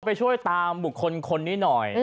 ไปช่วยตามบุคคลคนนี้หน่อย